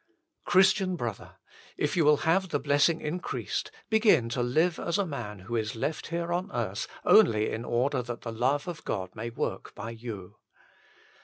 Christian brother, if you will have the blessing increased, begin to live as a man who is left here on earth only in order that the love of God may work by you.